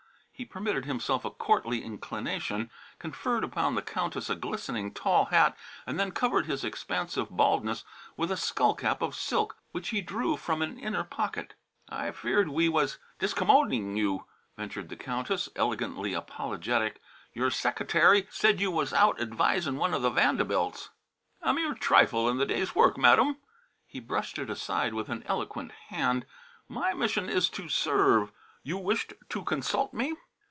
He permitted himself a courtly inclination, conferred upon the Countess a glistening tall hat, and then covered his expansive baldness with a skullcap of silk which he drew from an inner pocket. "I feared we was discommoding you," ventured the Countess, elegantly apologetic; "your secatary said you was out advisin' one the Vandabilts " "A mere trifle in the day's work, Madam!" He brushed it aside with an eloquent hand. "My mission is to serve. You wished to consult me?"